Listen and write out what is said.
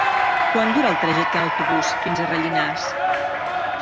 Quant dura el trajecte en autobús fins a Rellinars?